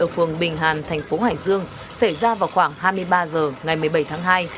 phường bình hàn thành phố hải dương xảy ra vào khoảng hai mươi ba h ngày một mươi bảy tháng hai